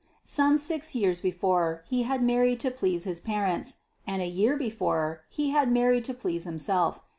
Some six years before, he had married to please his parents; and a year before, he had married to please himself.